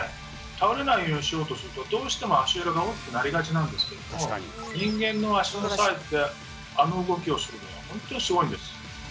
倒れないようにしようとするとどうしても足裏が大きくなりがちなんですけども人間の足のサイズであの動きをするのはほんとにすごいんです！